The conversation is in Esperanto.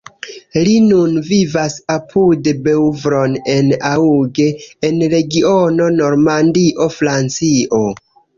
Li nun vivas apud Beuvron-en-Auge, en regiono Normandio, Francio.